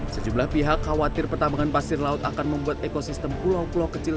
sejumlah pihak khawatir pertambangan pasir laut akan membuat ekosistem pulau pulau kecil